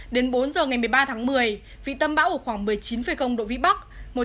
đến bốn giờ ngày một mươi ba tháng một mươi vị tâm bão ở khoảng một mươi chín độ vĩ bắc